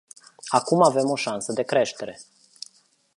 Acum avem o șansă de creștere.